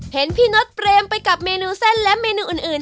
เห็นพี่น็ดเปรมไปกับเมนูเส้นและเมนูอื่น